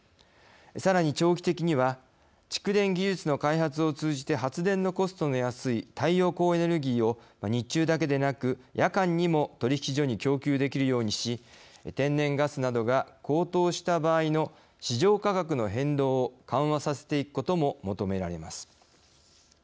さらに、長期的には蓄電技術の開発を通じて発電のコストの安い太陽光エネルギーを日中だけでなく、夜間にも取引所に供給できるようにし天然ガスなどが高騰した場合の市場価格の変動を緩和させていくことも求められます。